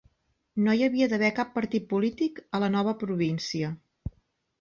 No hi havia d'haver cap partit polític a la nova província.